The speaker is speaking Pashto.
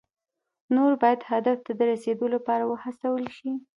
نور باید هدف ته د رسیدو لپاره وهڅول شي.